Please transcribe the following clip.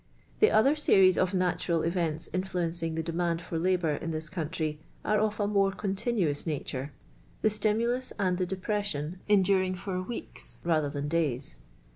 The other series of natural events inlluencinii the demand for labour in this country are of a m ire ro«<M* '/o fix nature the stimulus and the de . res sion endurinij for weeks rather than days.